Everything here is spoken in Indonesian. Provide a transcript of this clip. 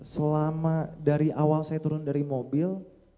selama dari awal saya turun dari mobil